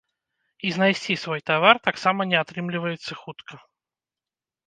І знайсці свой тавар таксама не атрымліваецца хутка.